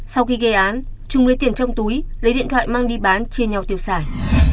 sau khi gây án trung lấy tiền trong túi lấy điện thoại mang đi bán chia nhau tiêu xài